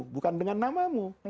bukan dengan namamu